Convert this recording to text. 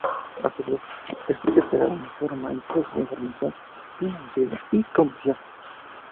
A su vez, es propietaria de Informa, empresa de información financiera y comercial.